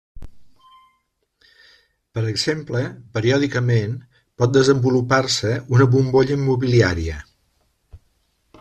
Per exemple, periòdicament, pot desenvolupar-se una bombolla immobiliària.